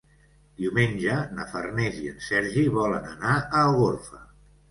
Diumenge na Farners i en Sergi volen anar a Algorfa.